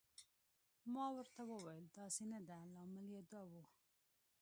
ما ورته وویل: داسې نه ده، لامل یې دا و.